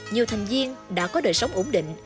nhiều thành viên đã có đời sống ổn định